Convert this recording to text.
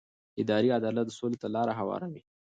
اداري عدالت سولې ته لاره هواروي